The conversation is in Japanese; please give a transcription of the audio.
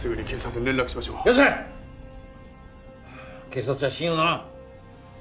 警察は信用ならん。